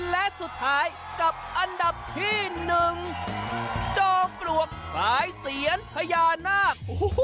และสุดท้ายกับอันดับที่๑จอมปลวกคล้ายเสียนพญานาค